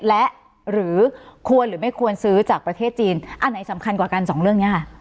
และหรือควรหรือไม่ควรซื้อจากประเทศจีนอันไหนสำคัญกว่ากันสองเรื่องนี้ค่ะ